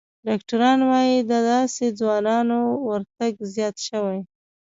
ډاکتران وايي، د داسې ځوانانو ورتګ زیات شوی